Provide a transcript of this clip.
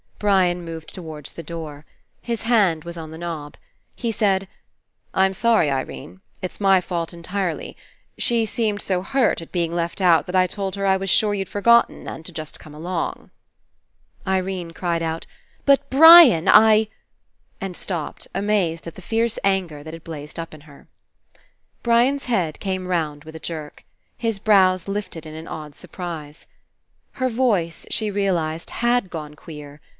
Brian moved towards the door. His hand was on the knob. He said: "I'm sorry, Irene. It's my fault entirely. She seemed so hurt at being left out that I told her I was sure you'd for gotten and to just come along." Irene cried out: "But, Brian, I —" and stopped, amazed at the fierce anger that had blazed up In her. Brian's head came round with a jerk. His brows lifted In an odd surprise. Her voice, she realized, had gone queer.